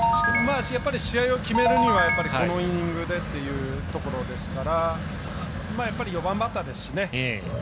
やっぱり試合を決めるにはこのイニングでっていうところですから４番バッターですね。